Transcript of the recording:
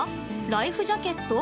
ライフジャケット？